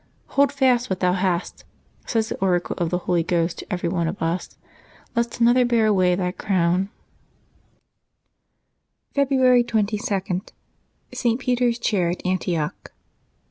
*'" Hold fast what thou hast," says the oracle of the Holy Ghost to every one of us, "lest another bear away thy February 22.— ST. PETER'S CHAIR AT ANTIOCH.